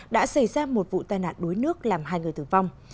đã xảy ra một vụ tai nạn đuối nước làm hai người tử vong